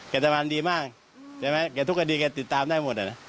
แกทำงานดีมากทุกคดีแกติดตามได้หมด